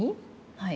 はい。